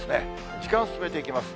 時間を進めていきます。